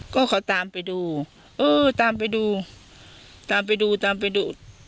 ก็เขาตามไปดูเออตามไปดูตามไปดูตามไปดู